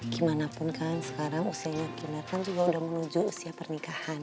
gimanapun kan sekarang usianya kinar kan juga udah menuju usia pernikahan